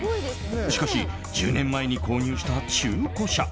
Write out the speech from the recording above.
しかし１０年前に購入した中古車。